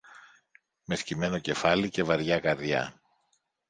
Με σκυμμένο κεφάλι και βαριά καρδιά